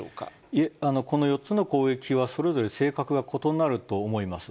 いえ、この４つの攻撃はそれぞれ性格が異なると思います。